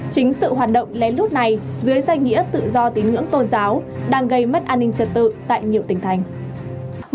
chính sự hoạt động lén lút này dưới danh nghĩa tự do tín ngưỡng tôn giáo đang gây mất an ninh trật tự tại nhiều tỉnh thành